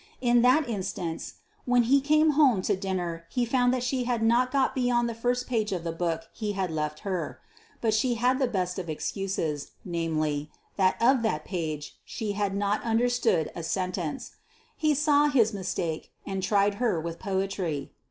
In that instance, when he came home to dinner he found that she had not got beyond the first page of the book he had left with her. But she had the best of excuses, namely, that of that page she had not understood a sentence. He saw his mistake, and tried her with poetry.